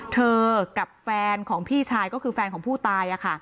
เธอกับแฟนของพี่ชายก็คือแฟนของผู้ตาย